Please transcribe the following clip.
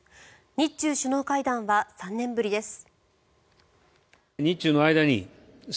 日中首脳会談は３年ぶりです。